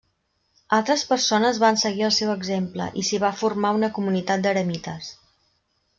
Altres persones van seguir el seu exemple, i s'hi va formar una comunitat d'eremites.